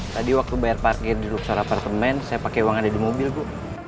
tadi waktu bayar parkir di luxor apartemen saya pake wang ada di mobil bu